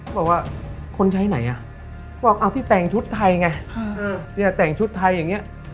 บอกว่าคนใช้ไหนที่แต่งชุดไทยแง่